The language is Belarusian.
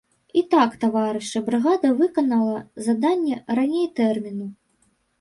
І так, таварышы, брыгада выканала заданне раней тэрміну.